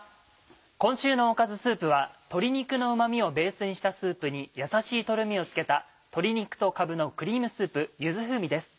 今週のおかずスープは鶏肉のうま味をベースにしたスープにやさしいトロミをつけた「鶏肉とかぶのクリームスープ柚子風味」です。